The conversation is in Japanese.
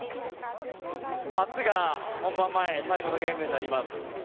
明日が本番前最後のゲームになります。